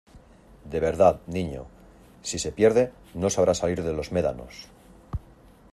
de verdad, niño , si se pierde no sabrá salir de los médanos...